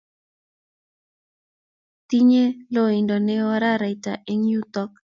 Tinye loindo ne oo araraita eng yutuk